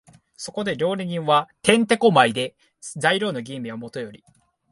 そこで料理人は転手古舞で、材料の吟味はもとより、